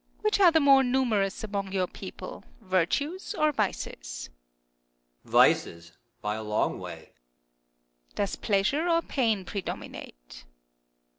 Which are the more numerous among your people, virtues or vices ? Moon. Vices, by a long way. Earth. Does pleasure or pain predominate